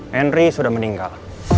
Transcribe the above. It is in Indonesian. henry sudah meninggal